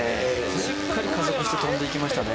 しっかり加速して跳んでいきましたね